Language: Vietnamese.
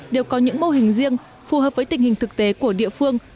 đều có những mô hình riêng phù hợp với tình hình thực tế của địa phương